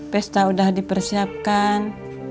pesta udah dipersiapkan